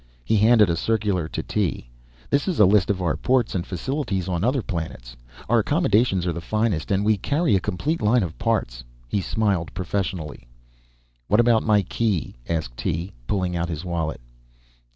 He handed a circular to Tee. "This is a list of our ports and facilities on other planets. Our accommodations are the finest, and we carry a complete line of parts." He smiled professionally. "What about my key?" asked Tee, pulling out his wallet.